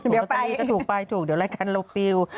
เดี๋ยวไปก็ถูกไปถูกเดี๋ยวรายการเราปิว